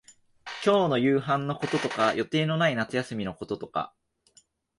今日の夕飯のこととか、予定のない夏休みのこととか、